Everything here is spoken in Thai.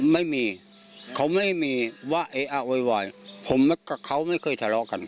ไม่มีเขาไม่มีว่าเออะโวยวายผมกับเขาไม่เคยทะเลาะกัน